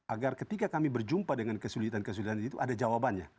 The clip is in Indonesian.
agar ketika kami berjumpa dengan kesulitan kesulitan itu ada jawabannya